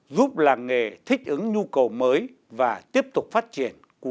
giúp làng nghề thích ứng nhu cầu mới và tiếp tục phát triển